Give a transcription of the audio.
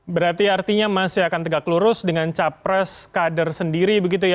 berarti artinya masih akan tegak lurus dengan capres kader sendiri begitu ya